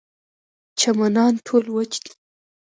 چمنان ټول وچ دي.